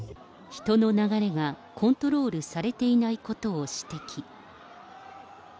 人の流れがコントロールされていないことを指摘。